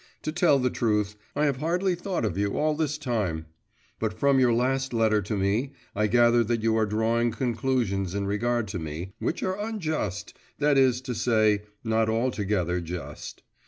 To tell the truth, I have hardly thought of you all this time. But from your last letter to me I gather that you are drawing conclusions in regard to me, which are unjust, that is to say, not altogether just.